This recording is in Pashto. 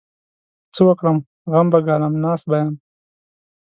څه وکړم؟! غم به ګالم؛ ناست به يم.